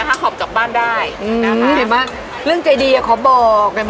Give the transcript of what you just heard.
อ่านะคะขอบจับบ้านได้อื้ออื้อเห็นไหมเรื่องใจดีอะขอบอกเห็นไหม